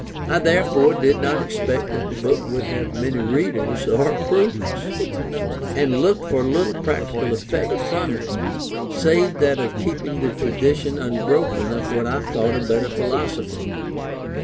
I therefore did not expect that the book would have many readers, or approvers; and looked for little practical effect from it, save that of keeping the tradition unbroken of what I thought a better philosophy.